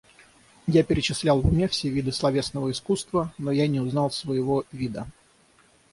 Я перечислял в уме все виды словесного искусства, но я не узнал своего вида.